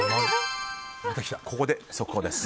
ここで速報です。